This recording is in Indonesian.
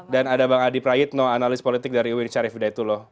dan ada bang adi prayitno analis politik dari uin syarif bidayatullah